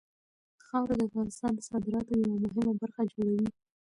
خاوره د افغانستان د صادراتو یوه مهمه برخه جوړوي.